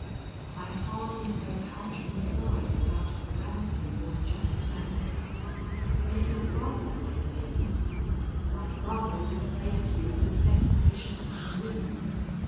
"I hardly know how to reply without arousing your just anger. If your brother is in " "My brother would face you with less patience than we.